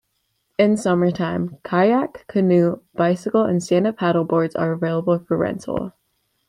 In summertime, kayak, canoe, bicycle, and stand up paddle boards are available for rental.